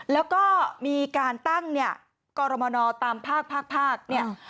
แล้วก็มีการตั้งเนี่ยกรมนตามภาคเนี่ย